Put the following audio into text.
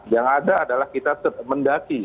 yang ada adalah kita mendaki